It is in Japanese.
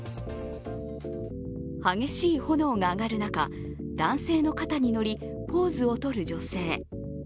激しい炎が上がる中、男性の肩に乗りポーズをとる女性。